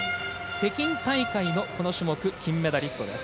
北京大会の金メダリストです。